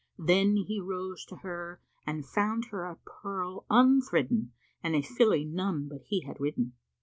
Then he rose to her and found her a pearl unthridden and a filly none but he had ridden.